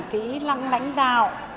kỹ lăng lãnh đạo